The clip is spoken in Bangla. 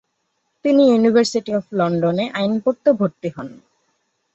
তিনি ইউনিভার্সিটি অব লন্ডনে আইন পড়তে ভর্তি হন।